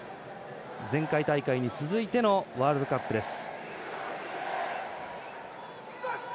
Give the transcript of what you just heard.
前回大会に続いてのワールドカップです。